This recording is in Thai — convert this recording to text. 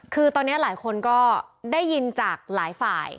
คือตอนนี้หลายคนก็ได้ยินจากหลายฝ่าย